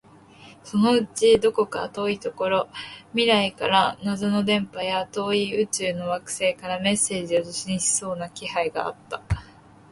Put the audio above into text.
そのうちどこか遠いところ、未来から謎の電波や、遠い宇宙の惑星からメッセージを受信しそうな気配があった